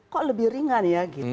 kok lebih ringan ya